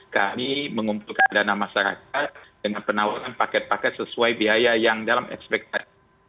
kami mengumpulkan dana masyarakat dengan penawaran paket paket sesuai biaya yang dalam ekspektasi